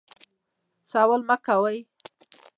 سوال مه کوئ